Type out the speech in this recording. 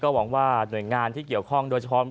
หวังว่าหน่วยงานที่เกี่ยวข้องโดยเฉพาะ